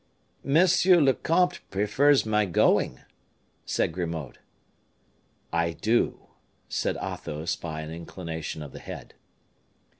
"Monsieur le comte prefers my going," said Grimaud. "I do," said Athos, by an inclination of the head.